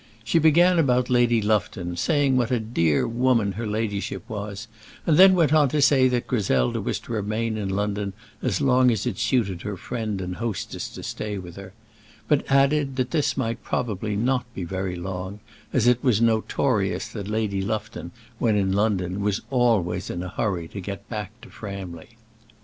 She began about Lady Lufton, saying what a dear woman her ladyship was; and then went on to say that Griselda was to remain in London as long as it suited her friend and hostess to stay there with her; but added, that this might probably not be very long, as it was notorious that Lady Lufton, when in London, was always in a hurry to get back to Framley.